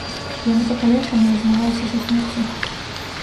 Яны пакалечаныя і змагаюцца са смерцю.